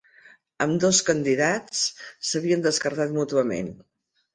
Ambdós candidats s’havien descartat mútuament.